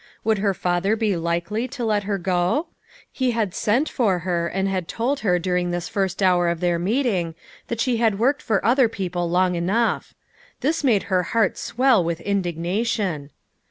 Would her father be likely to let her go? He had sent for her, and had told her during this first hour of their meeting, that she had worked for other people long enough. This made her heart swell with indignation.